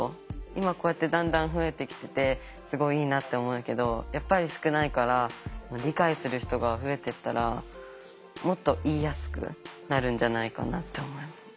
今こうやってだんだん増えてきててすごいいいなって思うけどやっぱり少ないから理解する人が増えていったらもっと言いやすくなるんじゃないかなって思う。